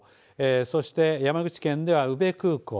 そして山口県では宇部空港。